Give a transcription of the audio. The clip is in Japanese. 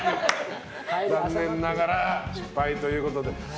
残念ながら失敗ということで。